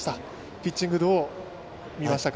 ピッチング、どう見ましたか？